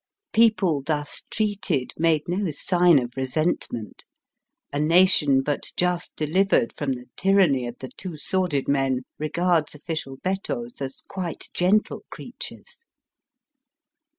People thus treated made no sign of resent ment. A nation but just delivered from the tyranny of the two sworded men regards official bettos as quite gentle creatures.